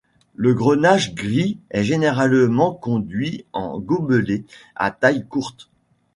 Le grenache gris est généralement conduit en gobelet à taille courte.